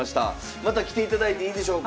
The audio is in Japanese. また来ていただいていいでしょうか。